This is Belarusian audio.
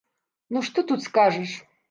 Ну што тут скажаш.